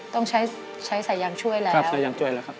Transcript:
ต้องใช้ใช้สายยางช่วยแล้วครับใส่ยางช่วยแล้วครับ